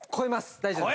大丈夫です。